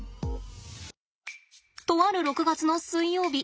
とある６月の水曜日